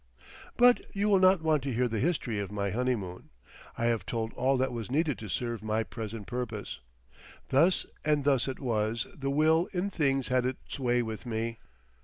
But you will not want to hear the history of my honeymoon. I have told all that was needed to serve my present purpose. Thus and thus it was the Will in things had its way with me.